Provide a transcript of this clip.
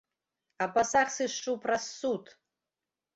А пасаг сышчу праз суд!